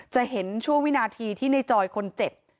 จะเห็นช่วงวินาทีที่ในจอยคนเจ็บ